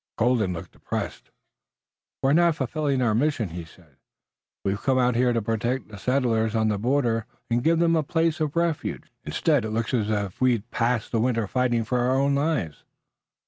Colden looked depressed. "We're not fulfilling our mission," he said. "We've come out here to protect the settlers on the border, and give them a place of refuge. Instead, it looks as if we'd pass the winter fighting for our own lives."